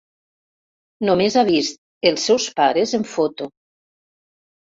Només ha vist els seus pares en foto.